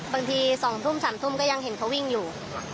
บางที๒๓ทุ่มก็เห็นเค้าวิ่งอยู่